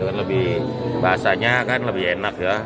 bahasanya kan lebih enak ya